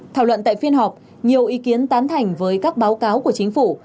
thảo luận tại phiên họp nhiều ý kiến tán thành với các báo cáo của chính phủ